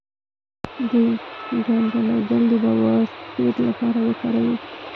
د ګندنه ګل د بواسیر لپاره وکاروئ